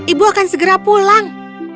ibu akan segera pulang